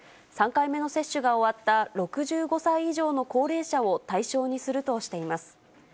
３回目の接種が終わった６５歳以上の高齢者を対象にするとしています。